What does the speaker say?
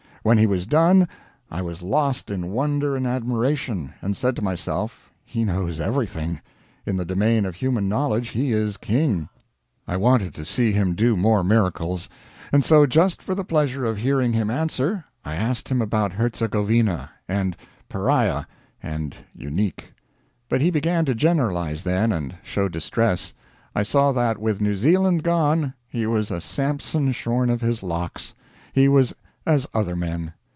When he was done, I was lost in wonder and admiration, and said to myself, he knows everything; in the domain of human knowledge he is king. I wanted to see him do more miracles; and so, just for the pleasure of hearing him answer, I asked him about Hertzegovina, and pariah, and unique. But he began to generalize then, and show distress. I saw that with New Zealand gone, he was a Samson shorn of his locks; he was as other men.